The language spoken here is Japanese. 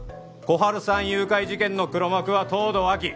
春さん誘拐事件の黒幕は東堂亜希！